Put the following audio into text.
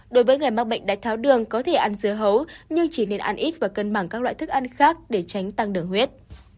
đối với người mắc bệnh đái tháo đường có thể ăn dưa hấu nhưng chỉ nên ăn ít và cân bằng các loại thức ăn khác để tránh tăng đường huyết